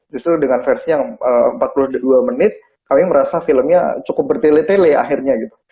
justru dengan versi yang empat puluh dua menit kami merasa filmnya cukup bertele tele akhirnya gitu